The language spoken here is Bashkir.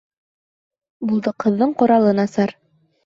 Булдыҡһыҙҙың ҡоралы насар.